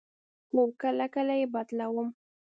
هو، کله کله یی بدلوم